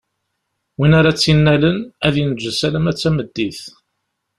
Win ara tt-innalen, ad inǧes alamma d tameddit.